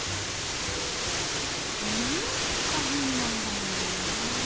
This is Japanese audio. なんか変なんだよね。